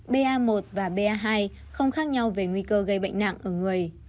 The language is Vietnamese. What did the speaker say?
ba một và ba hai không khác nhau về nguy cơ gây bệnh nặng ở người